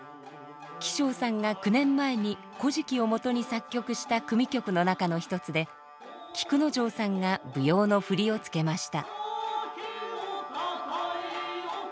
貴生さんが９年前に「古事記」をもとに作曲した組曲の中の一つで菊之丞さんが舞踊の振りを付けました。